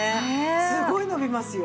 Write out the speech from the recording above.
すごい伸びますよ。